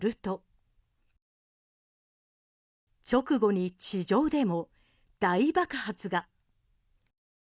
すると直後に地上でも大爆発が。